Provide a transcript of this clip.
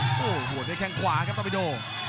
โอ้โหหัวด้วยแข้งขวาครับปาบิโด